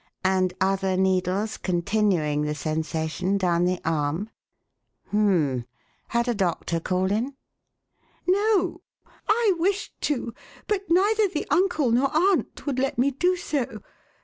And other needles continuing the sensation down the arm? Hum m m! Had a doctor called in?" "No. I wished to, but neither the uncle nor aunt would let me do so.